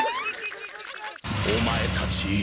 お前たち。